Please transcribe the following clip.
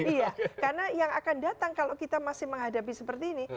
iya karena yang akan datang kalau kita masih menghadapi seperti ini